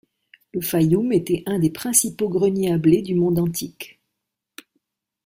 Le Fayoum était un des principaux greniers à blé du monde antique.